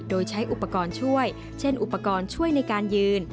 โดยใช้อุปกรณ์ช่วยเช่นอุปกรณ์ช่วยในการยืน